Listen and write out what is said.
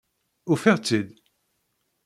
Ufiɣ-tt-id!